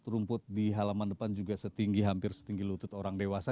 rumput di halaman depan juga setinggi hampir setinggi lutut orang dewasa